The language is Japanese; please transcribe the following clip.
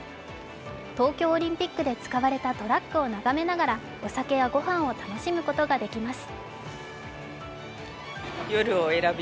東京オリンピックで使われたトラックをながめながらお酒やご飯を楽しむことができます。